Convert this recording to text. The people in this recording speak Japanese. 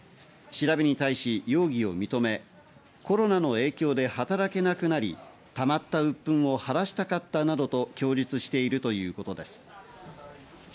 調べに対し容疑を認め、コロナの影響で働けなくなりたまった鬱憤を晴らしたかったなどと供述しているということです。